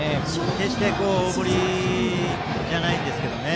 決して大振りじゃないんですけどね。